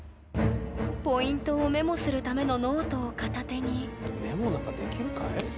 ポイントをメモするためのノートを片手にメモなんかできるかい？